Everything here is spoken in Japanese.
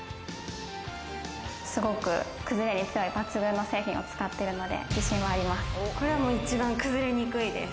すごく崩れにくい強い抜群の製品を使っているので自信はあります。